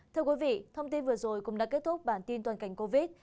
thưa quý vị thông tin vừa rồi cũng đã kết thúc bản tin toàn cảnh covid một mươi chín